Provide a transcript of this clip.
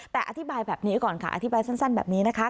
แต่อธิบายแบบนี้ก่อนค่ะอธิบายสั้นแบบนี้นะคะ